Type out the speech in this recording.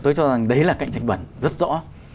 tôi cho rằng đấy là cạnh tranh bẩn rất rõ